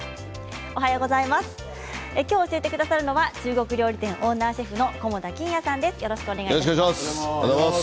きょう教えてくださるのは中国料理店オーナーシェフの菰田欣也さんです。